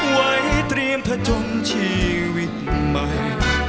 ไว้เตรียมผจญชีวิตใหม่